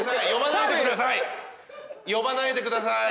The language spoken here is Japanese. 呼ばないでください。